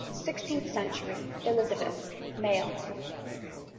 _] SIXTEENTH CENTURY. ELIZABETH. MALE.